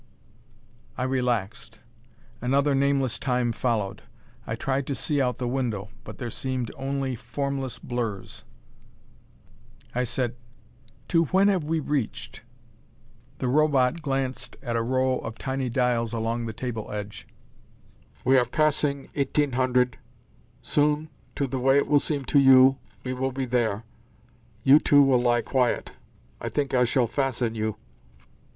I relaxed. Another nameless time followed. I tried to see out the window, but there seemed only formless blurs. I said. "To when have we reached?" The Robot glanced at a row of tiny dials along the table edge. "We are passing 1800. Soon, to the way it will seem to you, we will be there. You two will lie quiet. I think I shall fasten you."